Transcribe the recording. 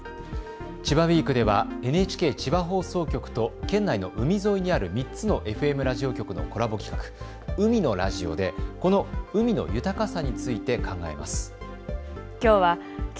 千葉ウイークではＮＨＫ千葉放送局と県内の海沿いにある３つのＦＭラジオ局のコラボ企画、海のラジオでこの海の豊かさについて考えます。